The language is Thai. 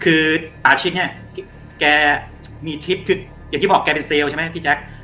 คือป่าชิกเนี่ยแกมีทริปคืออย่างที่บอกแกเป็นเซลล์ใช่ไหมพี่แจ๊ค